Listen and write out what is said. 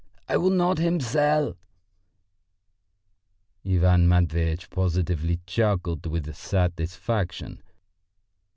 I will not him sell." Ivan Matveitch positively chuckled with satisfaction.